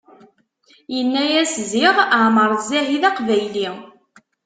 Yenna-yas ziɣ Ɛmer Zzahi d aqbayli!